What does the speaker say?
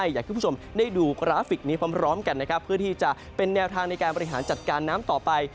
อยากขยับถึงผู้ชมให้ดูกราฟิกนี้พร้อมกันเพื่อที่จะเป็นแนวทางในการปฏิหารจัดการน้ำต่อไป